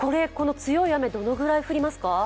強い雨、どのぐらい降りますか？